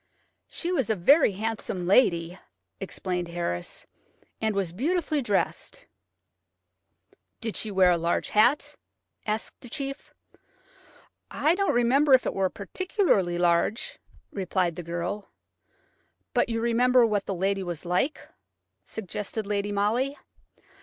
"She was a very handsome lady," explained Harris, "and was beautifully dressed." "Did she wear a large hat?" asked the chief . "I don't remember if it was particularly large," replied the girl. "But you remember what the lady was like?" suggested Lady Molly.